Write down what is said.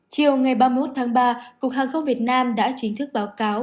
chiều ngày ba mươi một tháng ba cục hàng không việt nam đã chính thức báo cáo